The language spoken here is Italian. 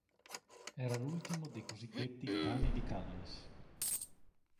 Era l'ultimo dei cosiddetti "cani di Calles".